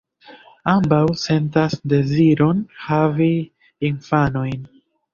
Ambaŭ sentas deziron havi infanojn.